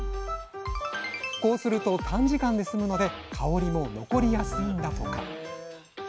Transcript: こうすると短時間で済むので香りも残りやすいんだとか。